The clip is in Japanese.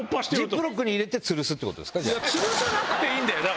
ジップロックに入れてつるすってことですか？